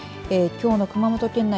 きょうの熊本県内